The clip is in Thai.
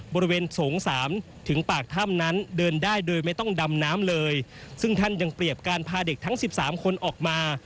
บริเวณโสงสามถึงปากถ้ำนั้นเดินได้โดยไม่ต้องดำน้ำเลยซึ่งท่านยังเปรียบการพาเด็กทั้ง๑๓คนออกมา